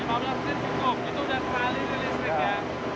lima belas menit cukup itu sudah terlalu listrik ya